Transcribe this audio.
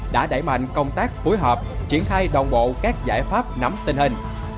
đã đẩy mạnh công tác phối hợp triển khai đồng bộ các giải pháp nắm tình hình